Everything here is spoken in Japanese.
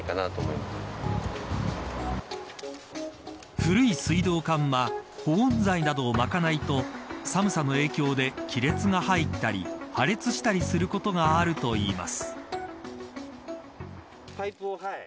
古い水道管は保温材などを巻かないと寒さの影響で亀裂が入ったり破裂したりすることがあるといいます。